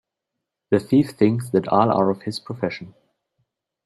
The thief thinks that all are of his profession